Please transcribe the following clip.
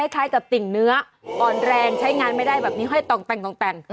ใช้กับติ่งเนื้ออ่อนแรงใช้งานไม่ได้แบบนี้ห้อยต่องแต่ง